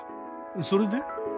それで？